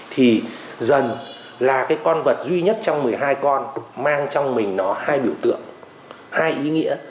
thì dần là cái con vật duy nhất trong một mươi hai con mang trong mình nó hai biểu tượng hai ý nghĩa